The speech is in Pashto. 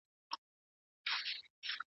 د دولت ارکان کوم دي او څه دندې لري؟